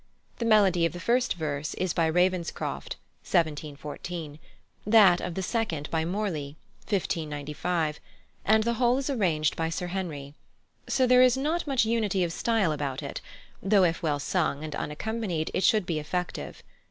The melody of the first verse is by Ravenscroft (1714), that of the second by Morley (1595), and the whole is arranged by Sir Henry; so there is not much unity of style about it, though if well sung and unaccompanied it should be effective.